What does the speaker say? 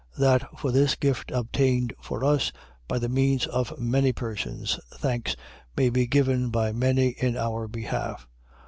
That for this gift obtained for us, by the means of many persons, thanks may be given by many in our behalf.